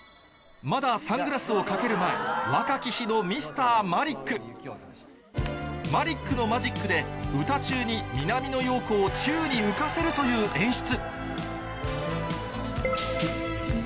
まだサングラスを掛ける前若き日のマリックのマジックで歌中に南野陽子を宙に浮かせるという演出